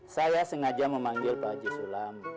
saya sengaja memanggil pak haji sulam